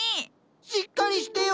しっかりしてよ。